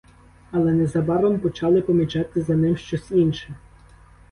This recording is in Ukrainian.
Але незабаром почали помічати за ним щось інше.